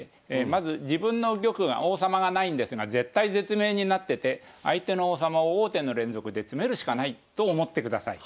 まず自分の玉が王様がないんですが絶体絶命になってて相手の王様を王手の連続で詰めるしかないと思ってください。